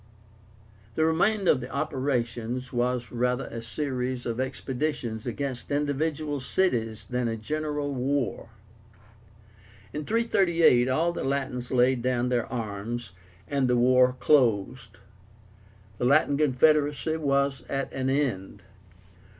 The remainder of the operations was rather a series of expeditions against individual cities than a general war. In 338 all the Latins laid down their arms, and the war closed. The Latin confederacy was at an end.